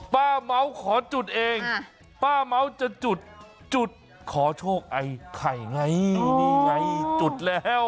เมาส์ขอจุดเองป้าเม้าจะจุดจุดขอโชคไอ้ไข่ไงนี่ไงจุดแล้ว